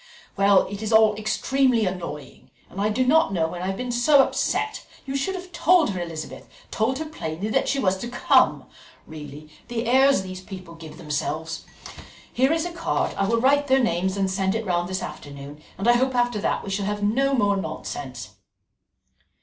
"Well, it is all extremely annoying, and I do not know when I have been so upset. You should have told her, Elizabeth, told her plainly that she was to come. Really, the airs these people give themselves! Here is a card; I will write their names and send it round this afternoon, and I hope after that we shall have no more nonsense."